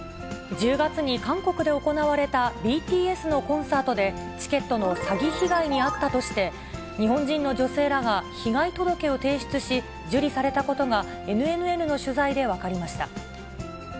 １０月に韓国で行われたＢＴＳのコンサートで、チケットの詐欺被害に遭ったとして、日本人の女性らが被害届を提出し、受理されたことが、ＮＮＮの取材で分かりました。